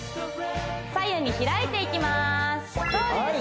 左右に開いていきますそうです